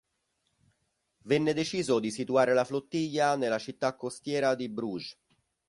Venne deciso di situare la flottiglia nella città costiera di Bruges.